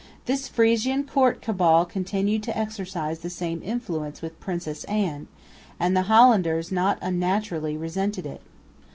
This Frisian court cabal continued to exercise the same influence with Princess Anne; and the Hollanders not unnaturally resented it.